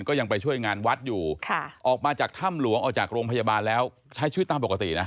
ก็ยังไปช่วยงานวัดอยู่ออกมาจากถ้ำหลวงออกจากโรงพยาบาลแล้วใช้ชีวิตตามปกตินะ